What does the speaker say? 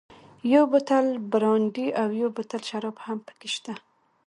یو بوتل برانډي او یو بوتل شراب هم پکې شته.